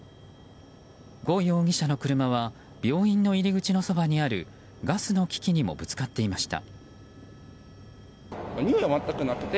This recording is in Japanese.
呉容疑者の車は病院の入り口のそばにあるガスの機器にもぶつかっていました。